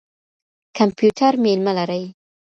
کمپيوټر مېلمه لري.